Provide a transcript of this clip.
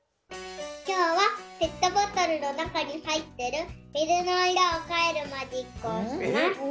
今日はペットボトルのなかにはいってる水の色を変えるマジックをします。